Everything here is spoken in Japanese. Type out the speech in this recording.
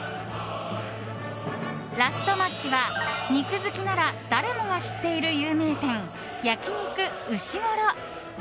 ラストマッチは、肉好きなら誰もが知ってる有名店焼肉うしごろ。